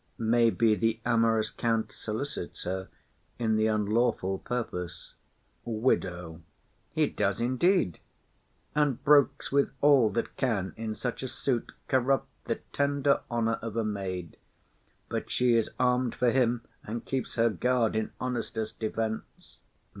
Maybe the amorous count solicits her In the unlawful purpose. WIDOW. He does indeed, And brokes with all that can in such a suit Corrupt the tender honour of a maid; But she is arm'd for him, and keeps her guard In honestest defence.